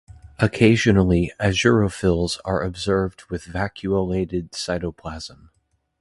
Occasionally, azurophils are observed with vacuolated cytoplasm.